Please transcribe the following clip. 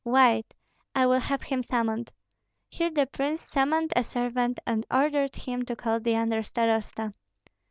Wait, I will have him summoned." Here the prince summoned a servant and ordered him to call the under starosta.